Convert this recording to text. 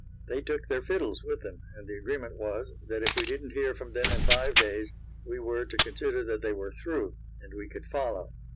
They took their fiddles with them, and the agreement was, that if we didn't hear from them in five days, we were to consider that they were through, and we could follow.